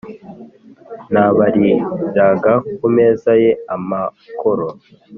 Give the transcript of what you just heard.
n’abariraga ku meza ye amakoro,